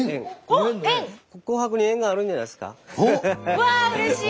うわうれしい！